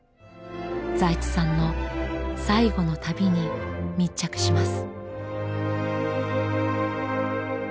財津さんの最後の旅に密着します。